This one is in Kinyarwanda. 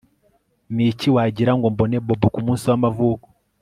Niki wagira ngo mbone Bobo kumunsi wamavuko